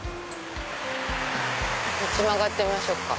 こっち曲がってみましょうか。